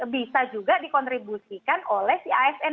bisa juga dikontribusikan oleh si asn